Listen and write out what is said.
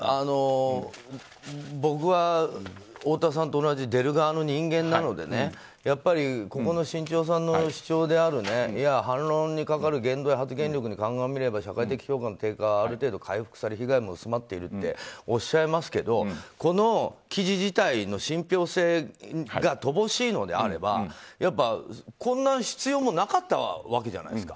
僕は、太田さんと同じ出る側の人間なのでやっぱりここの新潮さんの主張である反論にかかる言動や発言力に鑑みれば社会的評価の程度はある程度、回復され被害も薄まっているっておっしゃいますけどこの記事自体の信ぴょう性が乏しいのであれば、こんな必要もなかったわけじゃないですか。